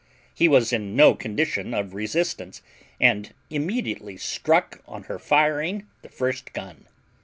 He was in no condition of resistance, and immediately struck on her firing the first gun.